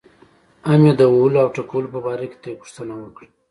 هم یې د وهلو او ټکولو په باره کې ترې پوښتنه وکړه.